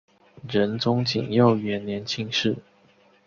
仁宗景佑元年进士。